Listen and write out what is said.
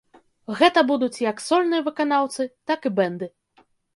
Гэта будуць як сольныя выканаўцы, так і бэнды.